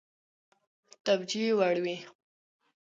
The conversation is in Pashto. توجیه وړ وي.